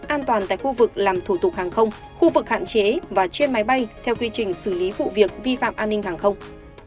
an toàn tại khu vực làm thủ tục hàng không khu vực hạn chế và trên máy bay theo quy trình xử lý vụ việc vi phạm an ninh hàng không